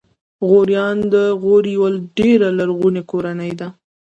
غوریان د غور یوه ډېره لرغونې کورنۍ ده.